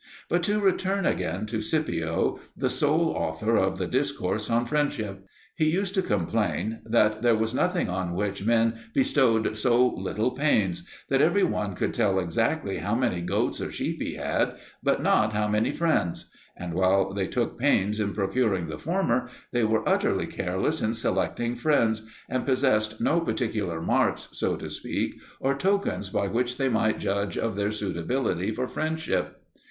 But to return again to Scipio, the sole author of the discourse on friendship. He used to complain that there was nothing on which men bestowed so little pains: that every one could tell exactly how many goats or sheep he had, but not how many friends; and while they took pains in procuring the former, they were utterly careless in selecting friends, and possessed no particular marks, so to speak, or tokens by which they might judge of their suitability for friendship.